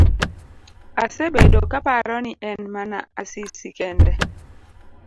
Asebedo kaparo ni en mana Asisi kende.